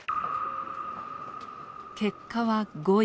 結果は５位。